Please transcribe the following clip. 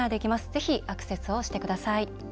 ぜひアクセスをしてください。